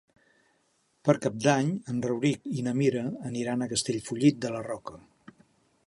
Per Cap d'Any en Rauric i na Mira aniran a Castellfollit de la Roca.